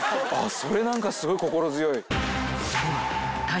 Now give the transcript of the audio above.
あそれ何かすごい心強い。